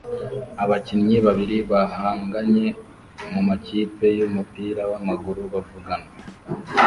abakinnyi babiri bahanganye mumakipe yumupira wamaguru bavugana